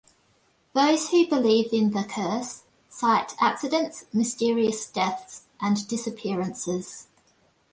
Those who believe in the curse cite accidents, mysterious deaths, and disappearances.